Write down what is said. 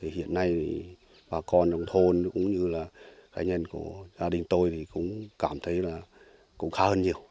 hiện nay bà con nông thôn cũng như là cá nhân của gia đình tôi thì cũng cảm thấy là cũng khá hơn nhiều